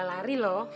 juara lari loh